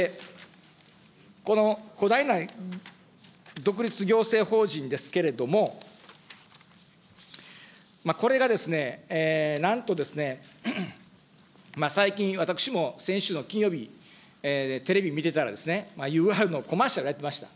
この巨大な独立行政法人ですけれども、これがなんと、最近、私も先週の金曜日、テレビ見てたら、ＵＲのコマーシャルやってました。